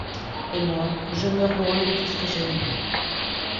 Et moi, je meurs loin de tout ce que j’ai aimé